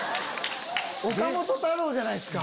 岡本太郎じゃないっすか。